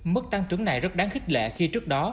mức tăng trưởng này rất đáng khích lệ khi trước đó